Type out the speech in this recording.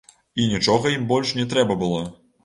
І нічога ім больш не трэба было!